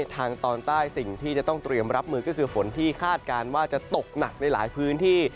ทางตอนใต้สิ่งที่จะต้องเตรียมรับมือก็คือฝนที่คาดการณ์ว่าจะตกหนักในหลายพื้นที่